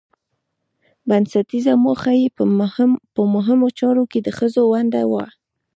بنسټيزه موخه يې په مهمو چارو کې د ښځو ونډه وه